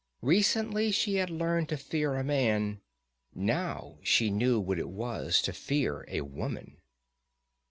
Recently she had learned to fear a man; now she knew what it was to fear a woman.